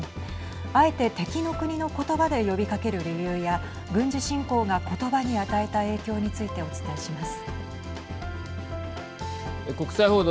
あえて敵の国の言葉で呼びかける理由や軍事侵攻が言葉に与えた影響についてお伝えします。